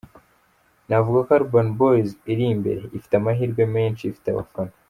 Navuga ko Urban Boyz iri imbere, ifite amahirwe menshi, ifite abafana.